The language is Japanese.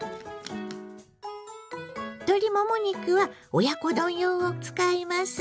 鶏もも肉は親子丼用を使います。